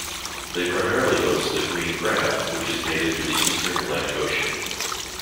They primarily host the "green crab" which is native to the Eastern Atlantic Ocean.